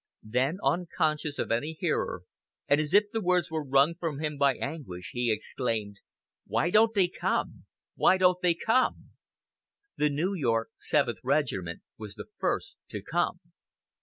Then, unconscious of any hearer, and as if the words were wrung from him by anguish, he exclaimed, "Why don't they come, why don't they come?" The New York Seventh Regiment was the first to "come."